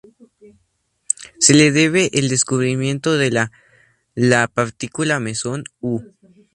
Se le debe el descubrimiento de la "la partícula Mesón U".